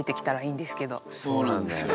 そうなんだよね。